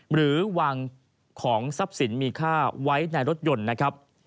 หรือวางของทรัพย์สินมีค่าไว้ในรถยนต์นะครับ